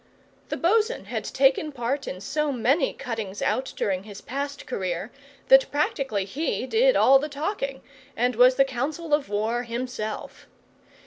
The bo'sun had taken part in so many cuttings out during his past career that practically he did all the talking, and was the Council of War himself.